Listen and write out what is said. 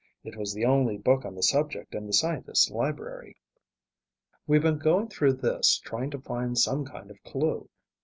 It was the only book on the subject in the scientist's library. "We've been going through this, trying to find some kind of clue.